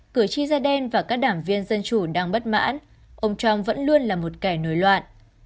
cử tri da đen và các đảng viên dân chủ đang bất mãn ông trump vẫn luôn là một kẻ nổi loạn